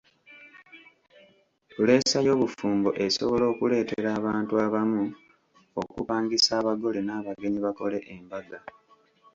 Puleesa y'obufumbo esobola okuleetera abantu abamu okupangisa abagole n'abagenyi bakole embaga.